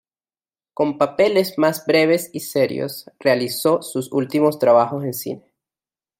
Con papeles más breves y serios, realizó sus últimos trabajos en cine.